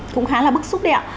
cũng khá là bức xúc đẹp